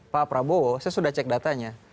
pak prabowo saya sudah cek datanya